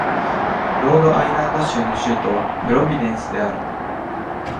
ロードアイランド州の州都はプロビデンスである